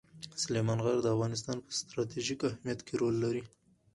سلیمان غر د افغانستان په ستراتیژیک اهمیت کې رول لري.